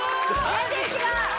全然違う。